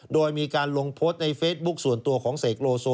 โดยมีการลงโพสต์ในเฟซบุ๊คส่วนตัวของเสกโลโซ